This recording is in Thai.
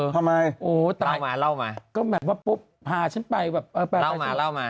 ทำไมโอ้แต่เล่ามาเล่ามาก็เหมือนว่าปุ๊บพาฉันไปแบบเล่ามาเล่ามา